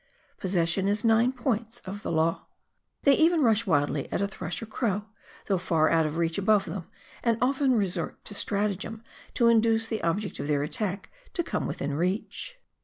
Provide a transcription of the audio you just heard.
Possession is nine points of the law. They even rush wildly at a thrush or crow, though far out of reach above them, and often resort to stratagem to induce the object of their attack to come within reach.